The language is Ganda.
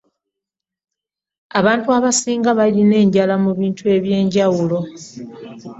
Abantu abasinga balina enjala mu bintu eby'enjawulo.